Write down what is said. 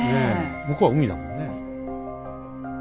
向こうは海だもんね。